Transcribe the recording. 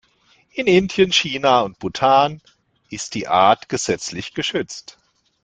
In Indien, China und Bhutan ist die Art gesetzlich geschützt.